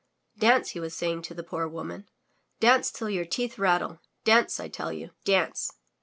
Dance!*' he was saying to the poor woman. Dance, till your teeth rattle! Dance, I tell you. Dance!"